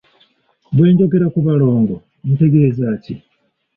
Bwe njogera ku balongo ntegeeza ki?